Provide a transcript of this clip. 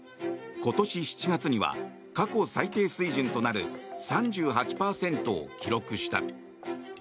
今年７月には過去最低水準となる３８％を記録した。